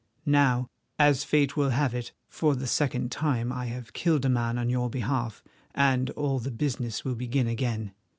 Now, as fate will have it, for the second time I have killed a man on your behalf, and all the business will begin again.